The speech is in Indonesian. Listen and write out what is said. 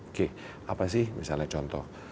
oke apa sih misalnya contoh